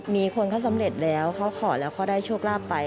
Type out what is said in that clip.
มีคนเขาสำเร็จแล้วเขาขอแล้วเขาได้โชคลาภไป